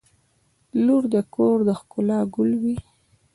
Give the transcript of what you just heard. • لور د کور د ښکلا ګل وي.